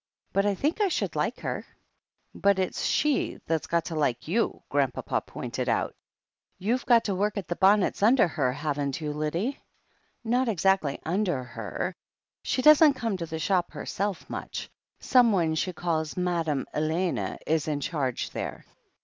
But I think I should like her." "But it's she that's got to like you," Grandpapa pointed out. "YouVe got to work at the bonnets under her, haven't you, Lyddie?" "^J)t exactly under her. She doesn't come to the shop herself, much — someone she calls Madame Elena is in charge there.